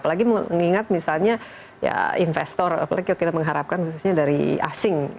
apalagi mengingat misalnya ya investor apalagi kalau kita mengharapkan khususnya dari asing